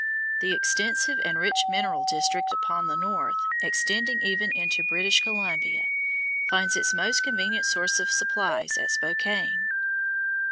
The extensive and rich mineral district upon the north, extending even into British Columbia, finds its most convenient source of supplies at Spokane.